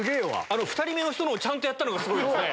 ２人目のをちゃんとやったのがすごいですね。